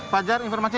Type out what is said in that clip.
pak jarni informasi